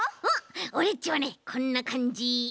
オレっちはねこんなかんじ。